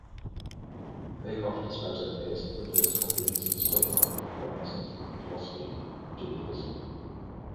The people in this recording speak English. Peikoff describes it as "the first comprehensive statement" of Rand's philosophy, Objectivism.